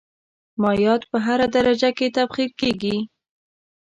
مایعات په هره درجه کې تبخیر کیږي.